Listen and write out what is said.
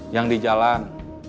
yang di jalan